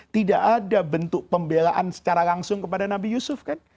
tidak ada bentuk pembelaan secara langsung kepada nabi yusuf kan